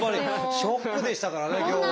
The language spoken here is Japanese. ショックでしたからね今日は。